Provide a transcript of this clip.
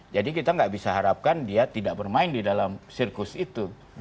jadi kita gak bisa harapkan dia tidak bermain di dalam sirkus itu